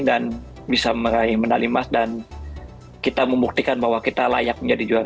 dan bisa meraih medal imas dan kita membuktikan bahwa kita layak menjadi juara